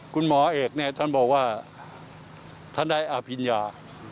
คุณหมอเอกเนี่ยท่านบอกว่าท่านได้อภิญญา